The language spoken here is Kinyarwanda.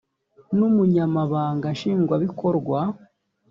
n umunyamabanga nshingwabikorwa